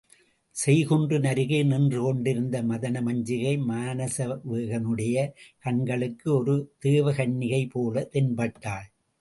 செய்குன்றின் அருகே நின்று கொண்டிருந்த மதனமஞ்சிகை, மானசவேகனுடைய கண்களுக்கு ஒரு தேவகன்னிகை போலத் தென்பட்டாள்.